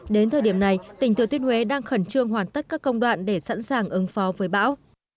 đến thời điểm này tỉnh thừa tuyên huế đang khẩn trương hoàn tất các công đoạn để sẵn sàng ứng phó với bão